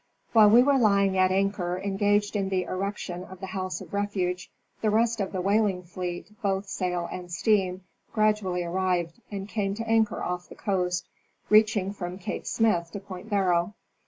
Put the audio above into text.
While we were lying at anchor engaged in the erection of the house of refuge, the rest of the whaling fleet, both sail and steam, gradually arrived and came to anchor off the coast, reaching from Cape Smyth to Point Barrow.